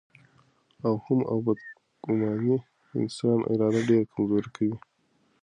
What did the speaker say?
وهم او بدګماني د انسان اراده ډېره کمزورې کوي.